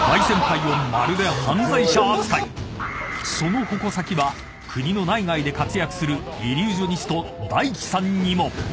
［その矛先は国の内外で活躍するイリュージョニストＤＡＩＫＩさんにも］